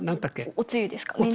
おつゆですか。